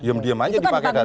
diam diam aja dipakai